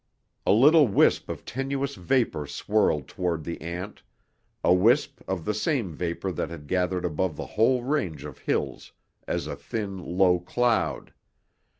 A little wisp of tenuous vapor swirled toward the ant, a wisp of the same vapor that had gathered above the whole range of hills as a thin, low cloud.